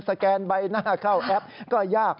แกนใบหน้าเข้าแอปก็ยาก